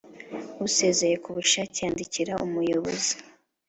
Usezeye ku bushake yandikira Umuyobozi